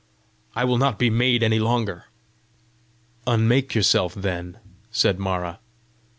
I will not be made any longer!" "Unmake yourself, then," said Mara.